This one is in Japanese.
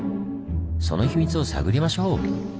その秘密を探りましょう！